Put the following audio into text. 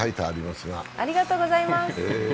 ありがとうございます。